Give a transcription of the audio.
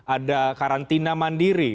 ada karantina mandiri